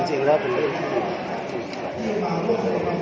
มันสามารถชนมีความก็ใจว่า